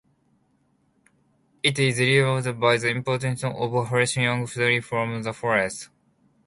It is renewed by the importation of a fresh young tree from the forest.